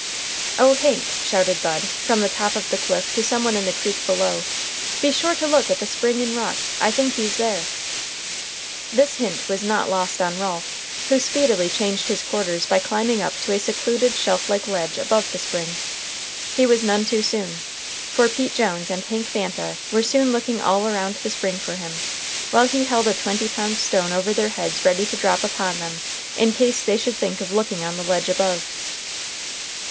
"O Hank!" shouted Bud from the top of the cliff to some one in the creek below, "be sure to look at the Spring in rock I think he's there." This hint was not lost on Ralph, who speedily changed his quarters by climbing up to a secluded, shelf like ledge above the spring. He was none too soon, for Pete Jones and Hank Banta were soon looking all around the spring for him, while he held a twenty pound stone over their heads ready to drop upon them in case they should think of looking on the ledge above.